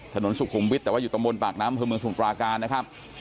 สุขุมวิทย์แต่ว่าอยู่ตำบลปากน้ำเพิ่มเมืองสมุทราการนะครับ